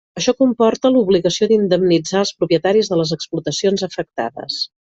Això comporta l'obligació d'indemnitzar els propietaris de les explotacions afectades.